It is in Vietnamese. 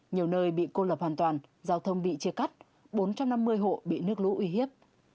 nhiều nơi bị cô lập hoàn toàn giao thông bị chia cắt bốn trăm năm mươi hộ bị nước lũ uy hiếp